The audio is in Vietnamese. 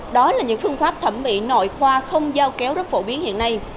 đó là những phương pháp thẩm mỹ nội khoa không giao kéo rất phổ biến hiện nay